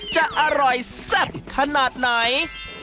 จะอร่อยแซ่บขนาดไหน